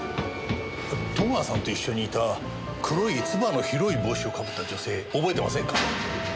戸川さんと一緒にいた黒いつばの広い帽子を被った女性覚えてませんか？